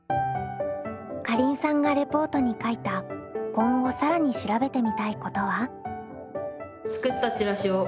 かりんさんがレポートに書いた今後更に調べてみたいことは？